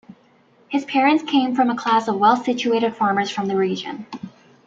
His parents came from a class of well-situated farmers from the region.